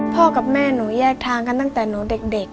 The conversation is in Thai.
กับแม่หนูแยกทางกันตั้งแต่หนูเด็ก